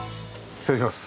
失礼します。